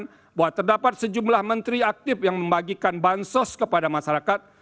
mengatakan bahwa terdapat sejumlah menteri aktif yang membagikan bansos kepada masyarakat